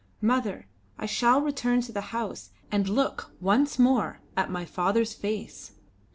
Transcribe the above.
Mother, I shall return to the house and look once more at my father's face."